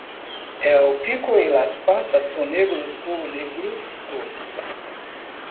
El pico y las patas son negros o negruzcos.